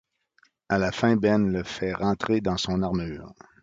À la fin, Ben le fait rentrer dans son armure.